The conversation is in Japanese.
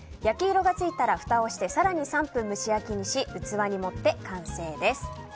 焼き色がついたらふたをして更に３分蒸し焼きにし器に盛って完成です。